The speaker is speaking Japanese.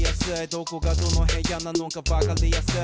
「どこがどの部屋なのかわかりやすい」